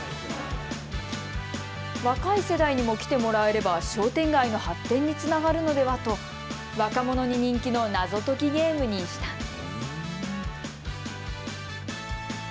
若い世代にも来てもらえれば商店街の発展につながるのではと若者に人気の謎解きゲームにしたんです。